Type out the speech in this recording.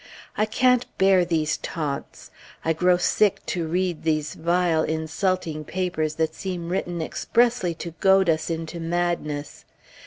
I can't bear these taunts! I grow sick to read these vile, insulting papers that seem written expressly to goad us into madness!...